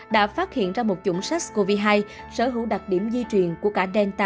đã phát hiện ra một chủng sars cov hai sở hữu đặc điểm di truyền của cả delta